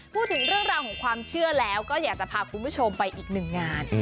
พูดถึงเรื่องราวของความเชื่อแล้วก็อยากจะพาคุณผู้ชมไปอีกหนึ่งงาน